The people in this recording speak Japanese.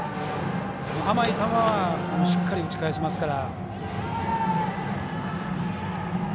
甘い球はしっかり打ち返しますから。